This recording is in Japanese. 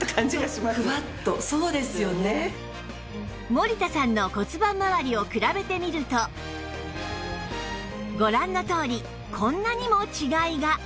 森田さんの骨盤まわりを比べてみるとご覧のとおりこんなにも違いが